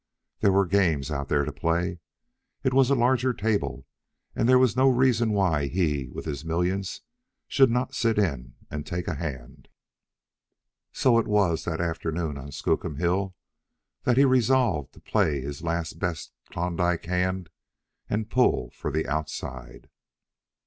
There were games out there to play. It was a larger table, and there was no reason why he with his millions should not sit in and take a hand. So it was, that afternoon on Skookum Hill, that he resolved to play this last best Klondike hand and pull for the Outside.